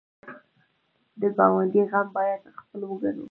د ګاونډي غم باید خپل وګڼو